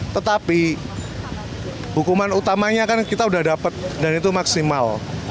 tetapi hukuman utamanya kan kita sudah dapat dan itu maksimal